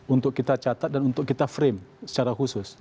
untuk kita catat dan untuk kita frame secara khusus